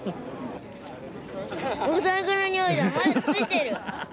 大谷君のにおいがまだついてる。